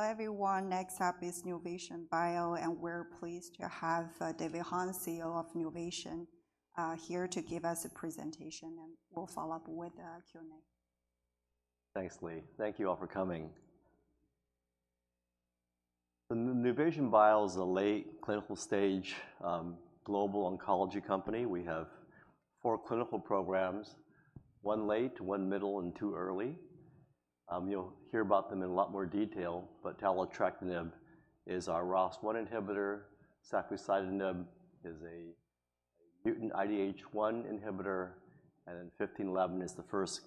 Hello, everyone. Next up is Nuvation Bio, and we're pleased to have, David Hung, CEO of Nuvation Bio, here to give us a presentation, and we'll follow up with a Q&A. Thanks, Lee. Thank you all for coming. Nuvation Bio is a late clinical stage global oncology company. We have four clinical programs, one late, one middle, and two early. You'll hear about them in a lot more detail, but taletrectinib is our ROS1 inhibitor, safusidenib is a mutant IDH1 inhibitor, and then NUV-1511 is the first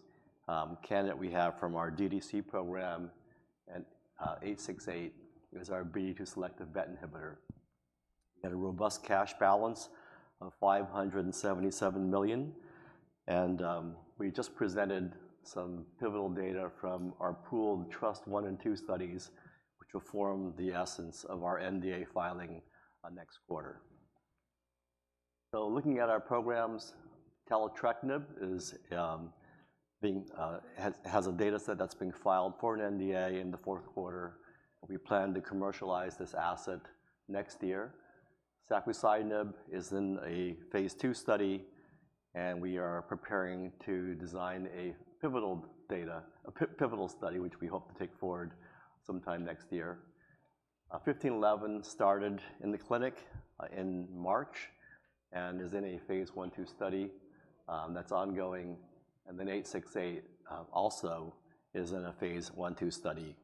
candidate we have from our DDC program, and NUV-868 is our BD2-selective BET inhibitor. We had a robust cash balance of $577 million, and we just presented some pivotal data from our pooled TRUST-I and II studies, which will form the essence of our NDA filing next quarter. Looking at our programs, taletrectinib has a dataset that's being filed for an NDA in the fourth quarter. We plan to commercialize this asset next year. Safusidenib is in a phase II study, and we are preparing to design a pivotal study, which we hope to take forward sometime next year. 1511 started in the clinic in March and is in a phase I/II study that's ongoing, and then 868 also is in a phase I/II study,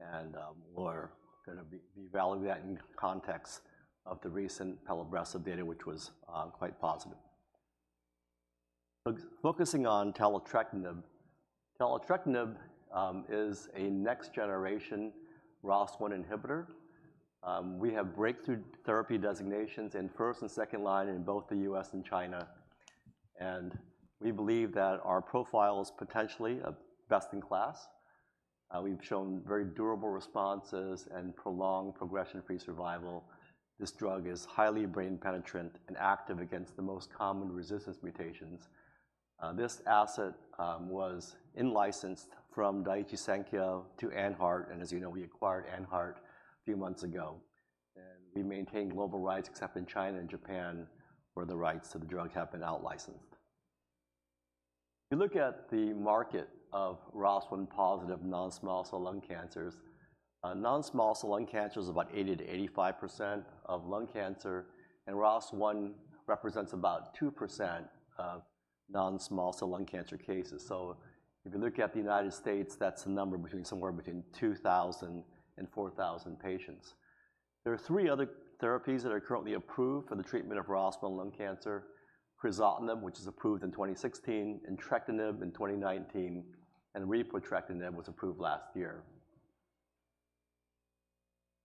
and we're gonna evaluate that in context of the recent pelabresib data, which was quite positive. Focusing on taletrectinib. Taletrectinib is a next-generation ROS1 inhibitor. We have breakthrough therapy designations in first and second line in both the US and China, and we believe that our profile is potentially a best-in-class. We've shown very durable responses and prolonged progression-free survival. This drug is highly brain penetrant and active against the most common resistance mutations. This asset was in-licensed from Daiichi Sankyo to AnHeart, and as you know, we acquired AnHeart a few months ago. We maintained global rights, except in China and Japan, where the rights to the drug have been out-licensed. If you look at the market of ROS1-positive non-small cell lung cancers, non-small cell lung cancer is about 80%-85% of lung cancer, and ROS1 represents about 2% of non-small cell lung cancer cases. So if you look at the United States, that's a number somewhere between 2,000 and 4,000 patients. There are three other therapies that are currently approved for the treatment of ROS1 lung cancer: crizotinib, which was approved in 2016, entrectinib in 2019, and repotrectinib was approved last year.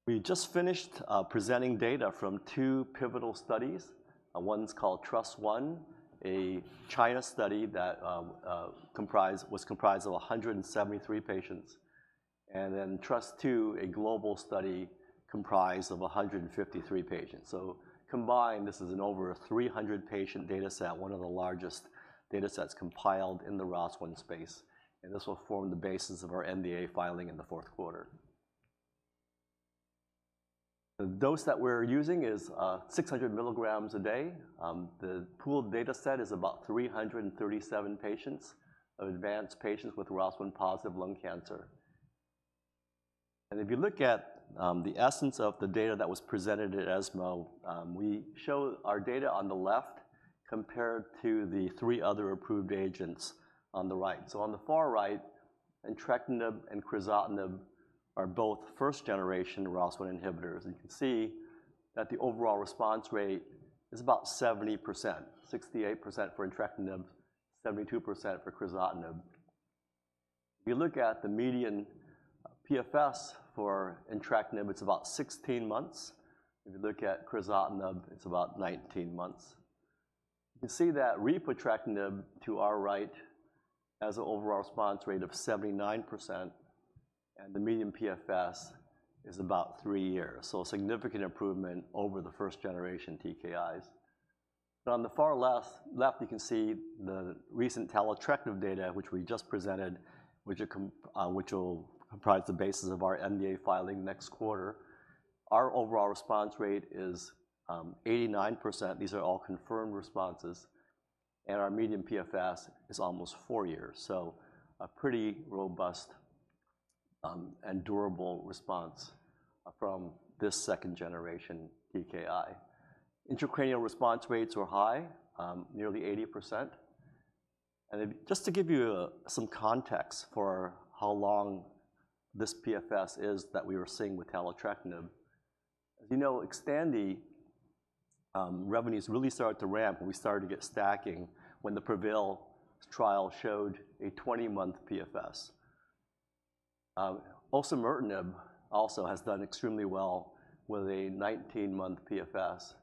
We just finished presenting data from two pivotal studies. One's called TRUST-I, a China study that was comprised of 173 patients, and then TRUST-II, a global study comprised of 153 patients. Combined, this is an over 300-patient dataset, one of the largest datasets compiled in the ROS1 space, and this will form the basis of our NDA filing in the fourth quarter. The dose that we're using is 600 milligrams a day. The pooled dataset is about 337 patients, of advanced patients with ROS1-positive lung cancer. If you look at the essence of the data that was presented at ESMO, we show our data on the left compared to the three other approved agents on the right. So on the far right, entrectinib and crizotinib are both first-generation ROS1 inhibitors, and you can see that the overall response rate is about 70%, 68% for entrectinib, 72% for crizotinib. If you look at the median PFS for entrectinib, it's about 16 months. If you look at crizotinib, it's about 19 months. You can see that repotrectinib, to our right, has an overall response rate of 79%, and the median PFS is about three years. So a significant improvement over the first-generation TKIs. But on the far left, you can see the recent taletrectinib data, which we just presented, which will comprise the basis of our NDA filing next quarter. Our overall response rate is 89%. These are all confirmed responses, and our median PFS is almost four years. A pretty robust and durable response from this second-generation TKI. Intracranial response rates were high, nearly 80%. And then just to give you some context for how long this PFS is that we were seeing with taletrectinib. As you know, Xtandi revenues really started to ramp, and we started to get stacking when the PREVAIL trial showed a 20-month PFS. Olaparib also has done extremely well with a 19-month PFS,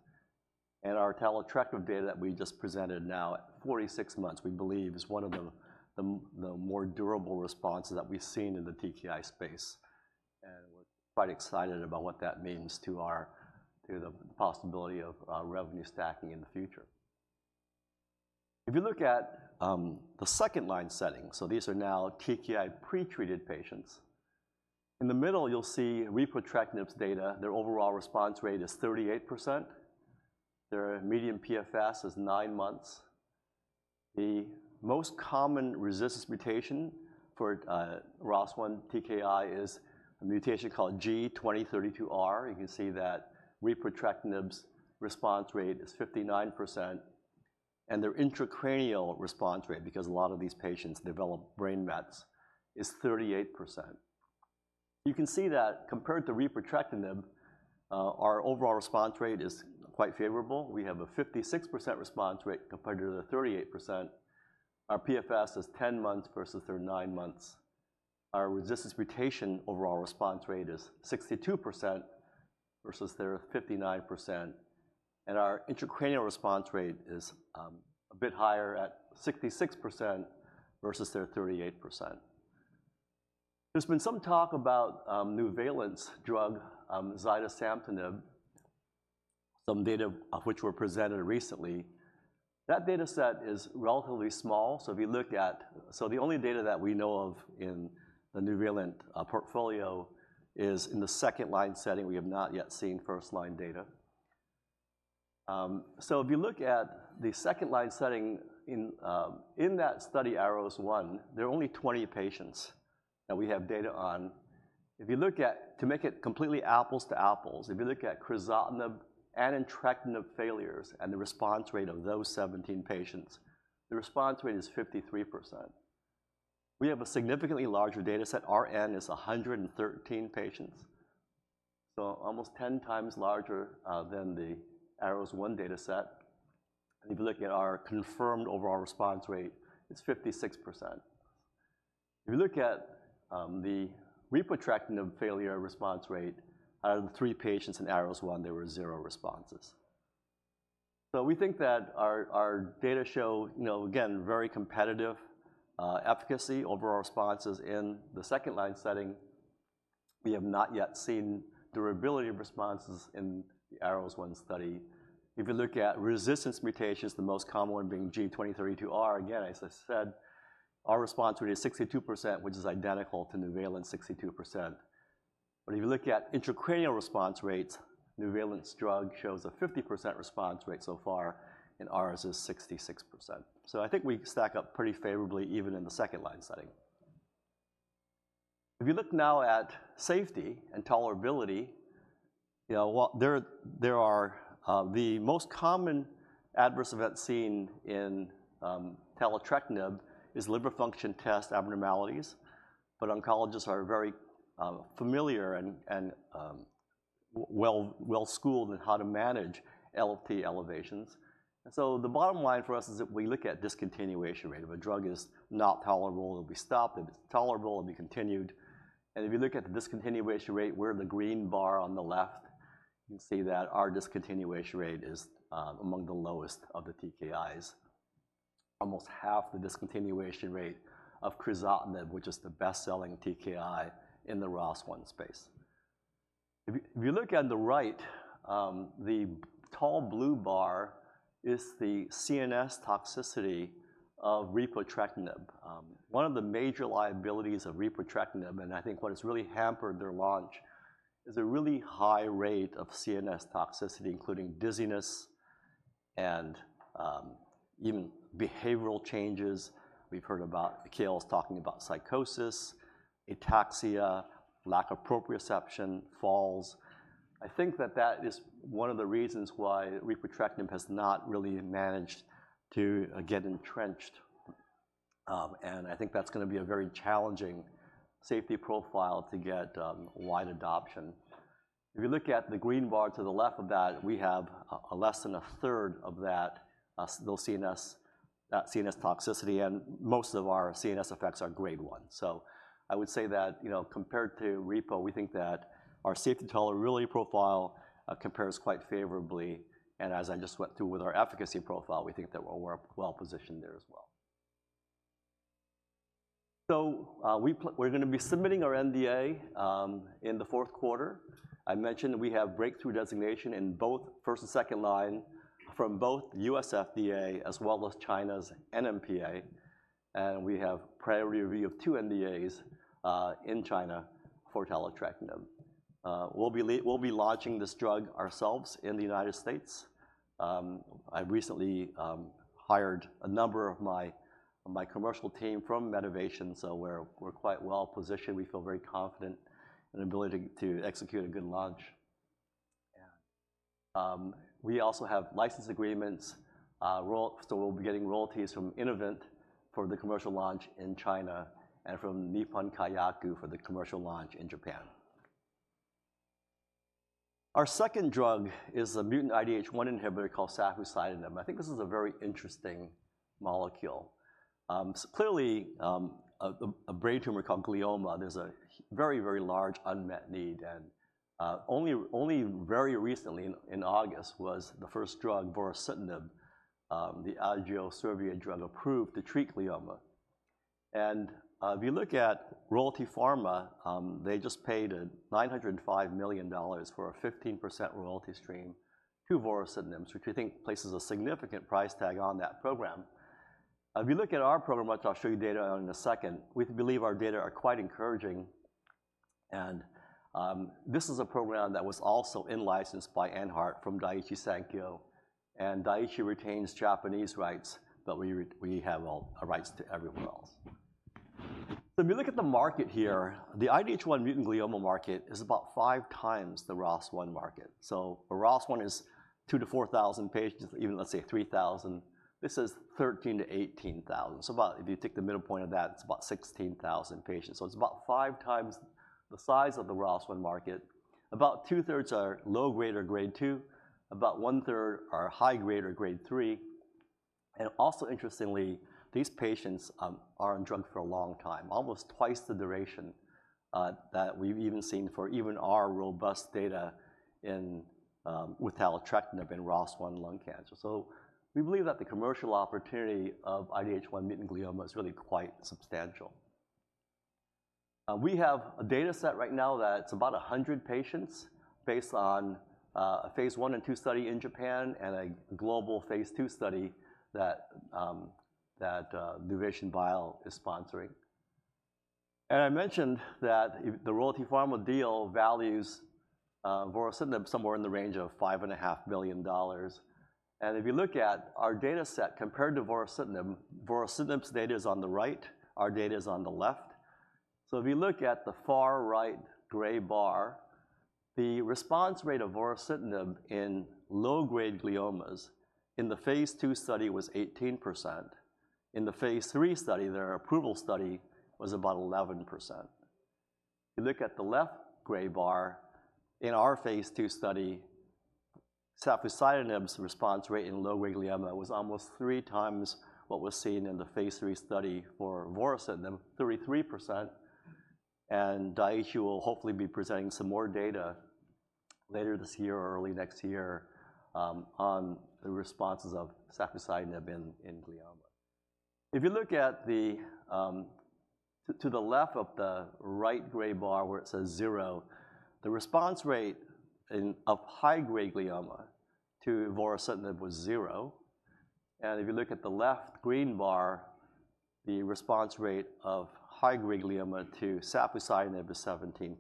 and our taletrectinib data that we just presented now at 46 months, we believe is one of the more durable responses that we've seen in the TKI space. And we're quite excited about what that means to the possibility of revenue stacking in the future. If you look at the second-line setting, so these are now TKI pre-treated patients. In the middle, you'll see repotrectinib's data. Their overall response rate is 38%. Their median PFS is nine months. The most common resistance mutation for ROS1 TKI is a mutation called G2032R. You can see that repotrectinib's response rate is 59%, and their intracranial response rate, because a lot of these patients develop brain mets, is 38%. You can see that compared to repotrectinib, our overall response rate is quite favorable. We have a 56% response rate compared to the 38%. Our PFS is ten months versus their nine months. Our resistance mutation overall response rate is 62% versus their 59%, and our intracranial response rate is a bit higher at 66% versus their 38%. There's been some talk about Nuvalent's drug zidesamtinib, some data of which were presented recently. That data set is relatively small, so the only data that we know of in the Nuvalent portfolio is in the second-line setting. We have not yet seen first-line data. So if you look at the second-line setting in that study, ARROS-1, there are only 20 patients that we have data on. To make it completely apples to apples, if you look at crizotinib and entrectinib failures and the response rate of those 17 patients, the response rate is 53%. We have a significantly larger data set. Our N is 113 patients, so almost 10 times larger than the ARROS-1 data set. If you look at our confirmed overall response rate, it's 56%. If you look at the repotrectinib failure response rate, out of the three patients in ARROWS 1, there were zero responses. So we think that our data show, you know, again, very competitive efficacy, overall responses in the second-line setting. We have not yet seen durability of responses in the ARROS-1 study. If you look at resistance mutations, the most common one being G2032R, again, as I said, our response rate is 62%, which is identical to Nuvalent's 62%. But if you look at intracranial response rates, Nuvalent's drug shows a 50% response rate so far, and ours is 66%. So I think we stack up pretty favorably even in the second-line setting. If you look now at safety and tolerability, you know, well, there are... The most common adverse event seen in taletrectinib is liver function test abnormalities, but oncologists are very familiar and well-schooled in how to manage LT elevations. And so the bottom line for us is that we look at discontinuation rate. If a drug is not tolerable, it'll be stopped. If it's tolerable, it'll be continued. And if you look at the discontinuation rate, we're the green bar on the left. You can see that our discontinuation rate is among the lowest of the TKIs, almost half the discontinuation rate of crizotinib, which is the best-selling TKI in the ROS1 space. If you look on the right, the tall blue bar is the CNS toxicity of repotrectinib. One of the major liabilities of repotrectinib, and I think what has really hampered their launch, is a really high rate of CNS toxicity, including dizziness and even behavioral changes. We've heard about Mihail talking about psychosis, ataxia, lack of proprioception, falls. I think that that is one of the reasons why repotrectinib has not really managed to get entrenched, and I think that's gonna be a very challenging safety profile to get wide adoption. If you look at the green bar to the left of that, we have less than a third of that, those CNS, that CNS toxicity, and most of our CNS effects are grade one. I would say that, you know, compared to Repo, we think that our safety tolerability profile compares quite favorably, and as I just went through with our efficacy profile, we think that we're well-positioned there as well. We are gonna be submitting our NDA in the fourth quarter. I mentioned we have breakthrough designation in both first and second line from both U.S. FDA as well as China's NMPA, and we have priority review of two NDAs in China for taletrectinib. We will be launching this drug ourselves in the United States. I recently hired a number of my commercial team from Medivation, so we are quite well-positioned. We feel very confident in our ability to execute a good launch. Yeah. We also have license agreements, royal... We'll be getting royalties from Innovent for the commercial launch in China and from Nippon Kayaku for the commercial launch in Japan. Our second drug is a mutant IDH1 inhibitor called safusidenib. I think this is a very interesting molecule. Clearly, a brain tumor called glioma, there's a very, very large unmet need, and only very recently in August, was the first drug vorasidenib, the Agios Pharmaceuticals drug, approved to treat glioma. If you look at Royalty Pharma, they just paid $905 million for a 15% royalty stream to vorasidenib, which we think places a significant price tag on that program. If you look at our program, which I'll show you data on in a second, we believe our data are quite encouraging. This is a program that was also in-licensed by AnHeart from Daiichi Sankyo, and Daiichi retains Japanese rights, but we have all rights to everywhere else. If you look at the market here, the IDH1 mutant glioma market is about five times the ROS1 market. So a ROS1 is two to four thousand patients, even let's say three thousand. This is thirteen to eighteen thousand. So about, if you take the middle point of that, it's about sixteen thousand patients. So it's about five times the size of the ROS1 market. About two-thirds are low grade or Grade 2, about one-third are high grade or Grade 3. Also interestingly, these patients are on drug for a long time, almost twice the duration that we've even seen for even our robust data in with taletrectinib in ROS1 lung cancer. We believe that the commercial opportunity of IDH1 mutant glioma is really quite substantial. We have a data set right now that's about 100 patients based on a phase I and II study in Japan and a global phase II study that Nuvation Bio is sponsoring. And I mentioned that if the Royalty Pharma deal values vorasidenib somewhere in the range of $5.5 million. And if you look at our data set compared to vorasidenib, vorasidenib's data is on the right, our data is on the left. So if you look at the far right gray bar, the response rate of vorasidenib in low-grade gliomas in the phase II study was 18%. In the phase III study, their approval study, was about 11%. You look at the left gray bar, in our phase II study, safusidenib's response rate in low-grade glioma was almost three times what was seen in the phase III study for vorasidenib, 33%, and Daiichi will hopefully be presenting some more data later this year or early next year on the responses of safusidenib in glioma. If you look to the left of the right gray bar where it says zero, the response rate of high-grade glioma to vorasidenib was zero. And if you look at the left green bar, the response rate of high-grade glioma to safusidenib is 17%.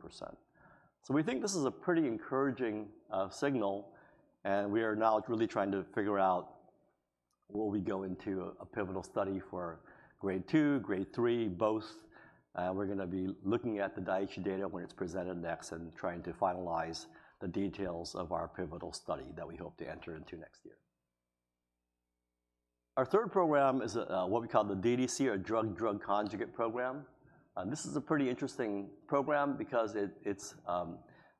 So we think this is a pretty encouraging signal, and we are now truly trying to figure out will we go into a pivotal study for Grade 2, Grade 3, both? We're gonna be looking at the Daiichi data when it's presented next and trying to finalize the details of our pivotal study that we hope to enter into next year. Our third program is what we call the DDC or Drug-Drug Conjugate program. And this is a pretty interesting program because it it's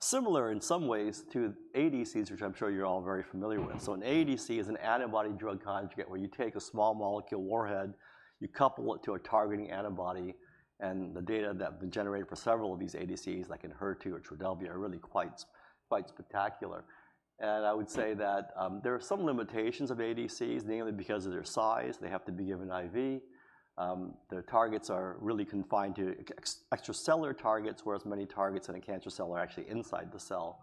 similar in some ways to ADCs, which I'm sure you're all very familiar with. So an ADC is an antibody-drug conjugate, where you take a small molecule warhead, you couple it to a targeting antibody, and the data that have been generated for several of these ADCs, like Enhertu or Trodelvy, are really quite spectacular. And I would say that there are some limitations of ADCs, mainly because of their size. They have to be given IV. Their targets are really confined to extracellular targets, whereas many targets in a cancer cell are actually inside the cell.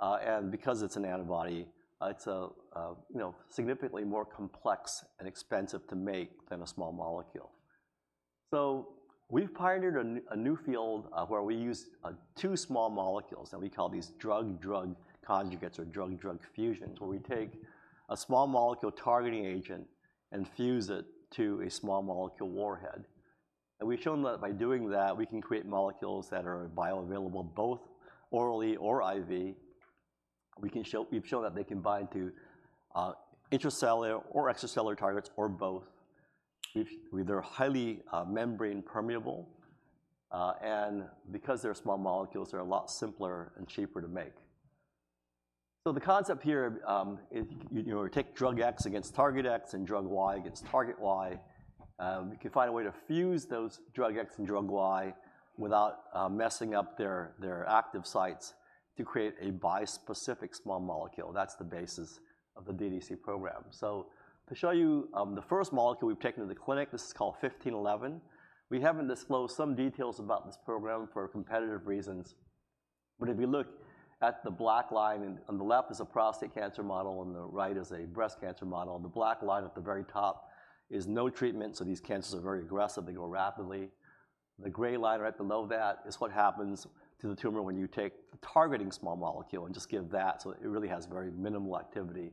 And because it's an antibody, it's you know, significantly more complex and expensive to make than a small molecule. So we've pioneered a new field, where we use two small molecules, and we call these drug-drug conjugates or drug-drug fusions, where we take a small molecule targeting agent and fuse it to a small molecule warhead. And we've shown that by doing that, we can create molecules that are bioavailable, both orally or IV. We've shown that they can bind to intracellular or extracellular targets or both. They're highly membrane permeable, and because they're small molecules, they're a lot simpler and cheaper to make. So the concept here, if you take drug X against target X and drug Y against target Y, we can find a way to fuse those drug X and drug Y without messing up their active sites to create a bispecific small molecule. That's the basis of the DDC program, so to show you, the first molecule we've taken to the clinic, this is called fifteen eleven. We have disclosed some details about this program for competitive reasons, but if you look at the black line, and on the left is a prostate cancer model, on the right is a breast cancer model, and the black line at the very top is no treatment, so these cancers are very aggressive. They grow rapidly. The gray line right below that is what happens to the tumor when you take the targeting small molecule and just give that, so it really has very minimal activity.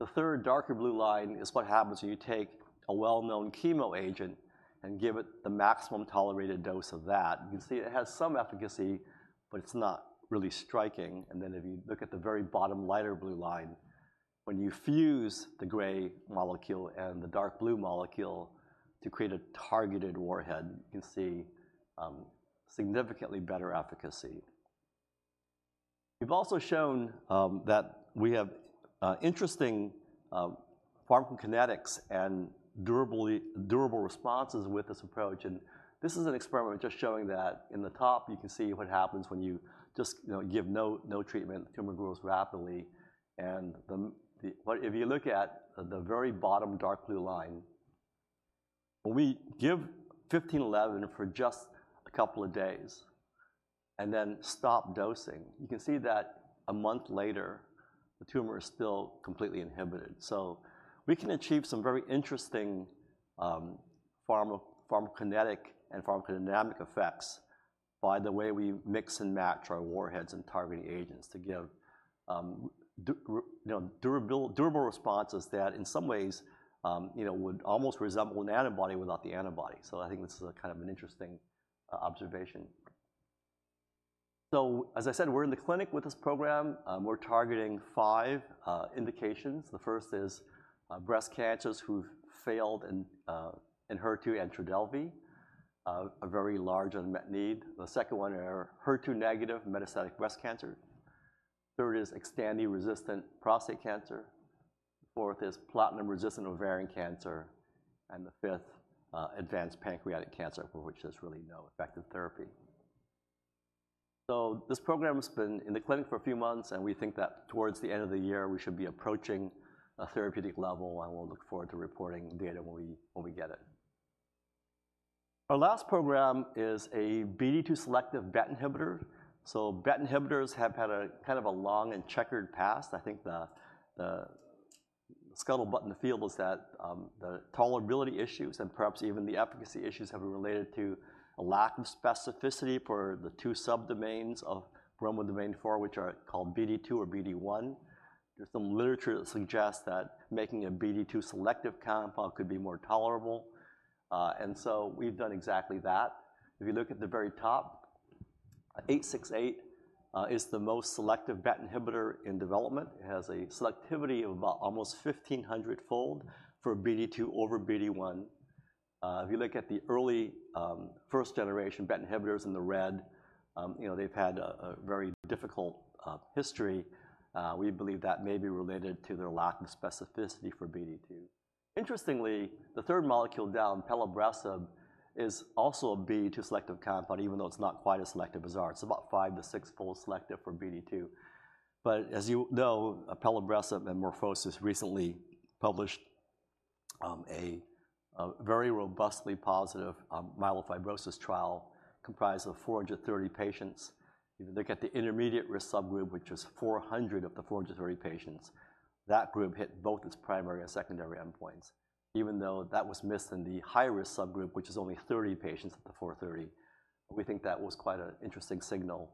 The third darker blue line is what happens when you take a well-known chemo agent and give it the maximum tolerated dose of that. You can see it has some efficacy, but it's not really striking. And then if you look at the very bottom lighter blue line, when you fuse the gray molecule and the dark blue molecule to create a targeted warhead, you can see significantly better efficacy. We've also shown that we have interesting pharmacokinetics and durable responses with this approach. This is an experiment just showing that in the top, you can see what happens when you just, you know, give no, no treatment. The tumor grows rapidly, but if you look at the very bottom dark blue line, when we give NUV-1511 for just a couple of days and then stop dosing, you can see that a month later, the tumor is still completely inhibited. So we can achieve some very interesting pharmacokinetic and pharmacodynamic effects by the way we mix and match our warheads and targeting agents to give, you know, durable responses that, in some ways, you know, would almost resemble an antibody without the antibody. So I think this is a kind of an interesting observation. So, as I said, we're in the clinic with this program. We're targeting five indications. The first is breast cancers who've failed in Enhertu and Trodelvy, a very large unmet need. The second one are HER2 negative metastatic breast cancer. Third is Xtandi-resistant prostate cancer. Fourth is platinum-resistant ovarian cancer, and the fifth, advanced pancreatic cancer, for which there's really no effective therapy. So this program has been in the clinic for a few months, and we think that towards the end of the year, we should be approaching a therapeutic level, and we'll look forward to reporting data when we get it. Our last program is a BD2 selective BET inhibitor. So BET inhibitors have had a kind of a long and checkered past. I think the scuttlebutt in the field is that, the tolerability issues and perhaps even the efficacy issues have been related to a lack of specificity for the two subdomains of bromodomain four, which are called BD2 or BD1. There's some literature that suggests that making a BD2-selective compound could be more tolerable, and so we've done exactly that. If you look at the very top, 868 is the most selective BET inhibitor in development. It has a selectivity of about almost 1,500-fold for BD2 over BD1. If you look at the early first-generation BET inhibitors in the red, you know, they've had a very difficult history. We believe that may be related to their lack of specificity for BD2. Interestingly, the third molecule down, pelabresib, is also a BD2-selective compound, even though it's not quite as selective as ours. It's about 5- to 6-fold selective for BD2. But as you know, pelabresib and MorphoSys recently published a very robustly positive myelofibrosis trial comprised of 430 patients. If you look at the intermediate risk subgroup, which is four hundred of the four hundred and thirty patients, that group hit both its primary and secondary endpoints. Even though that was missed in the high-risk subgroup, which is only thirty patients of the four thirty, we think that was quite an interesting signal.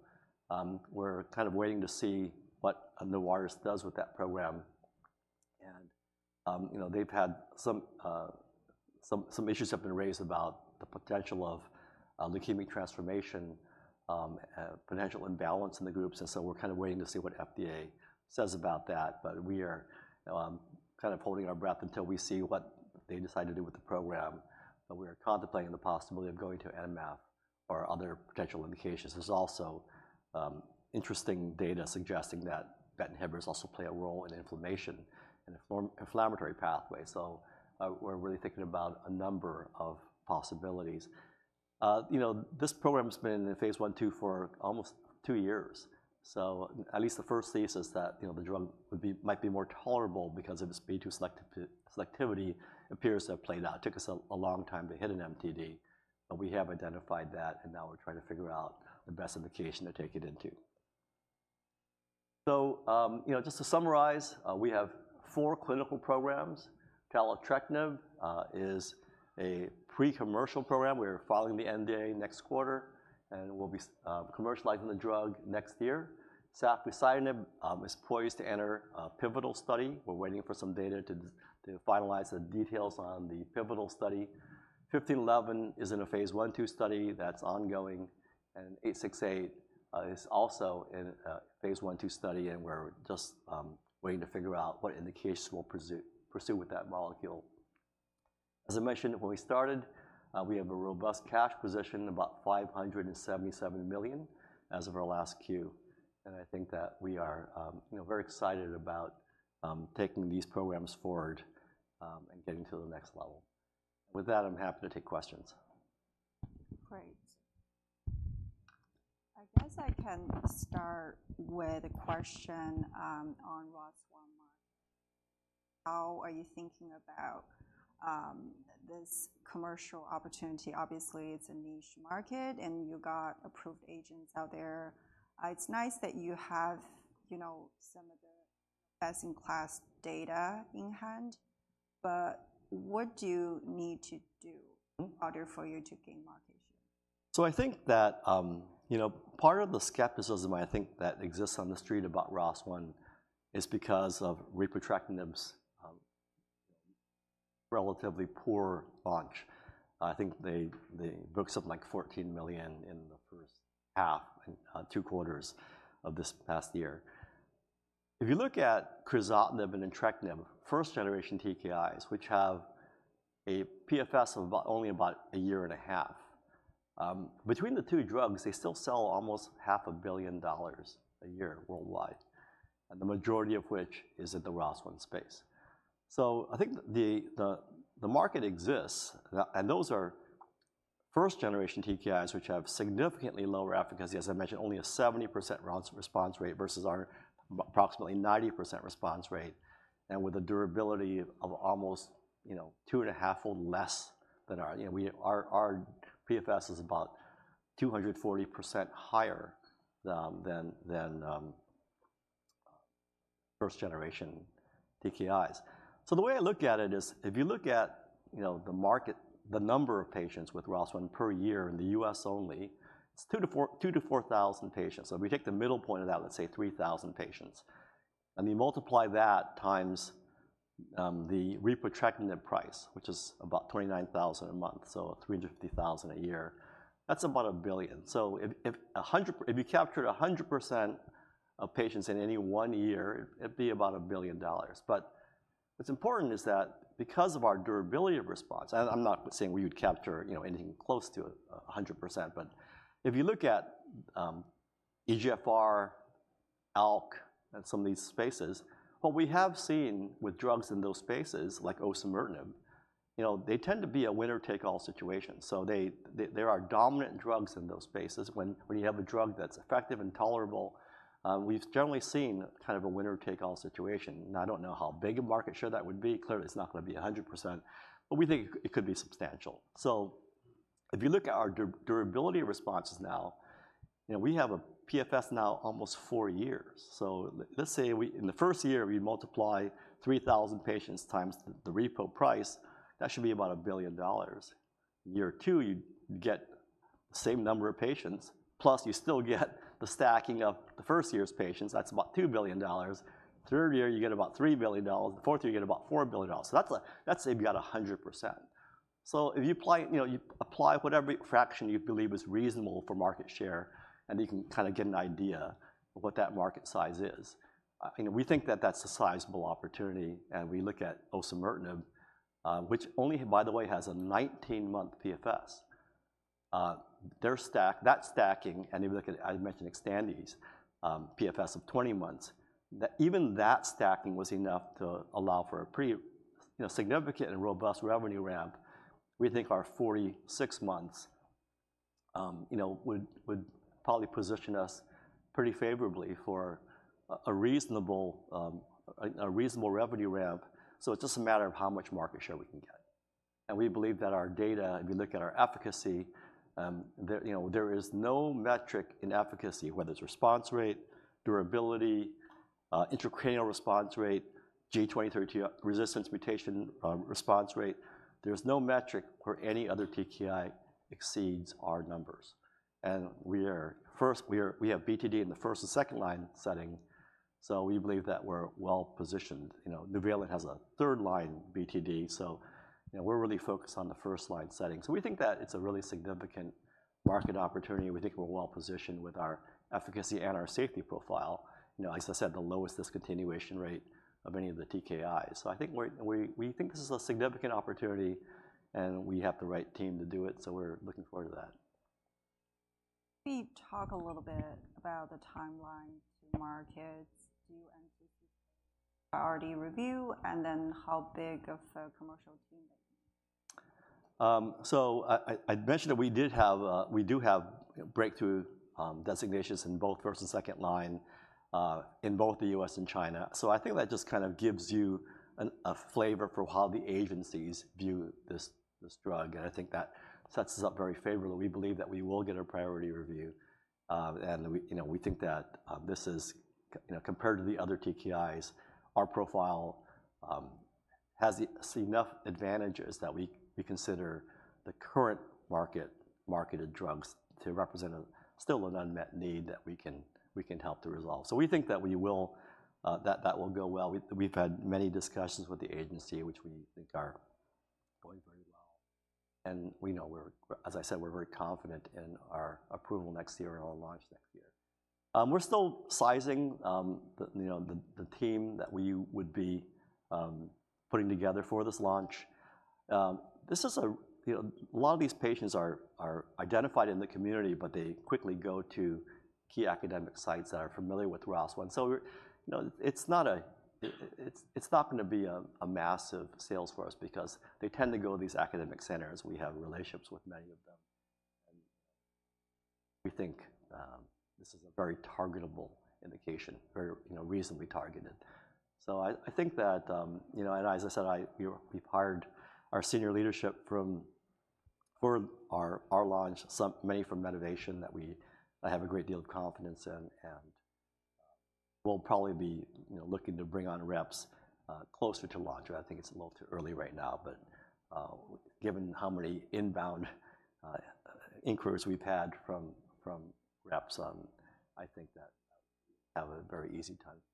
We're kind of waiting to see what Novartis does with that program, and, you know, they've had some issues have been raised about the potential of leukemia transformation, potential imbalance in the groups, and so we're kind of waiting to see what FDA says about that. But we are kind of holding our breath until we see what they decide to do with the program, but we are contemplating the possibility of going to NMPA or other potential indications. There's also interesting data suggesting that BET inhibitors also play a role in inflammation and inflammatory pathway, so we're really thinking about a number of possibilities. You know, this program's been in phase I/II for almost two years, so at least the first thesis that, you know, the drug might be more tolerable because of its BD2 selectivity appears to have played out. It took us a long time to hit an MTD, but we have identified that, and now we're trying to figure out the best indication to take it into. So, you know, just to summarize, we have four clinical programs. Taletrectinib is a pre-commercial program. We are filing the NDA next quarter, and we'll be commercializing the drug next year. Safusidenib is poised to enter a pivotal study. We're waiting for some data to finalize the details on the pivotal study. NUV-1511 is in a phase I/II study that's ongoing, and NUV-868 is also in a phase I/II study, and we're just waiting to figure out what indications we'll pursue with that molecule. As I mentioned when we started, we have a robust cash position, about $577 million as of our last Q, and I think that we are, you know, very excited about taking these programs forward and getting to the next level. With that, I'm happy to take questions. Great. I guess I can start with a question on ROS1. How are you thinking about this commercial opportunity? Obviously, it's a niche market, and you got approved agents out there. It's nice that you have, you know, some of the best-in-class data in hand, but what do you need to do in order for you to gain market share? So I think that, you know, part of the skepticism I think that exists on the street about ROS1 is because of repotrectinib's relatively poor launch. I think they booked something like $14 million in the first half, two quarters of this past year. If you look at crizotinib and entrectinib, first-generation TKIs, which have a PFS of about, only about a year and a half, between the two drugs, they still sell almost $500 million a year worldwide, and the majority of which is in the ROS1 space. So I think the market exists, and those are first-generation TKIs, which have significantly lower efficacy. As I mentioned, only a 70% response rate versus our approximately 90% response rate, and with a durability of almost, you know, two and a half fold less than our. You know, we, our PFS is about 240% higher than first generation TKIs. So the way I look at it is, if you look at, you know, the market, the number of patients with ROS1 per year in the U.S. only, it's 2,000 to 4,000 patients. So if we take the middle point of that, let's say 3,000 patients, and you multiply that times the repotrectinib price, which is about $29,000 a month, so $350,000 a year, that's about $1 billion. If you captured 100% of patients in any one year, it'd be about $1 billion. But what's important is that because of our durability of response, I'm not saying we would capture, you know, anything close to a hundred percent, but if you look at EGFR, ALK, and some of these spaces, what we have seen with drugs in those spaces, like osimertinib, you know, they tend to be a winner-take-all situation. So there are dominant drugs in those spaces. When you have a drug that's effective and tolerable, we've generally seen kind of a winner-take-all situation. Now, I don't know how big a market share that would be. Clearly, it's not gonna be 100%, but we think it could be substantial. So if you look at our durability of responses now, you know, we have a PFS now almost four years. Let's say we in the first year, we multiply three thousand patients times the repotrectinib price, that should be about $1 billion. Year two, you'd get the same number of patients, plus you still get the stacking of the first year's patients. That's about $2 billion. Third year, you get about $3 billion. The fourth year, you get about $4 billion. So that's if you got 100%. So if you apply, you know, you apply whatever fraction you believe is reasonable for market share, and you can kinda get an idea of what that market size is. You know, we think that that's a sizable opportunity, and we look at osimertinib, which only, by the way, has a 19-month PFS. Their stacking, and if you look at, I mentioned extended PFS of 20 months, even that stacking was enough to allow for a pretty, you know, significant and robust revenue ramp. We think our 46 months, you know, would probably position us pretty favorably for a reasonable revenue ramp, so it's just a matter of how much market share we can get. And we believe that our data, if you look at our efficacy, there, you know, there is no metric in efficacy, whether it's response rate, durability, intracranial response rate, G2032R resistance mutation, response rate, there's no metric where any other TKI exceeds our numbers. We are. We have BTD in the first- and second-line setting, so we believe that we're well-positioned. You know, Nuvalent has a third-line BTD, so, you know, we're really focused on the first-line setting. So we think that it's a really significant market opportunity. We think we're well-positioned with our efficacy and our safety profile, you know, as I said, the lowest discontinuation rate of any of the TKIs. So I think we think this is a significant opportunity, and we have the right team to do it, so we're looking forward to that. Can you talk a little bit about the timeline to markets? Do you anticipate priority review, and then how big of a commercial team? So I mentioned that we did have, we do have breakthrough designations in both first and second line, in both the U.S. and China. I think that just kind of gives you a flavor for how the agencies view this drug, and I think that sets us up very favorably. We believe that we will get a priority review, and we, you know, we think that, you know, compared to the other TKIs, our profile has enough advantages that we consider the currently marketed drugs to represent still an unmet need that we can help to resolve. So we think that we will, that will go well. We've had many discussions with the agency, which we think are going very well, and we know we're, as I said, we're very confident in our approval next year or our launch next year. We're still sizing, you know, the team that we would be putting together for this launch. This is a, you know, a lot of these patients are identified in the community, but they quickly go to key academic sites that are familiar with ROS1. So we're, you know, it's not a, it's not going to be a massive sales force because they tend to go to these academic centers. We have relationships with many of them, and we think this is a very targetable indication, very, you know, reasonably targeted. So I think that, you know, and as I said, we're, we've hired our senior leadership from, for our, our launch, some, many from Medivation that we, I have a great deal of confidence in, and, we'll probably be, you know, looking to bring on reps, closer to launch. I think it's a little too early right now, but, given how many inbound, inquiries we've had from reps, I think that we'll have a very easy time.